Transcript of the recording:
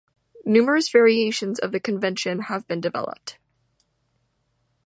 Numerous variations of the convention have been developed.